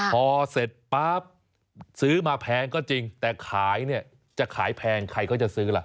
พอเสร็จปั๊บซื้อมาแพงก็จริงแต่ขายเนี่ยจะขายแพงใครเขาจะซื้อล่ะ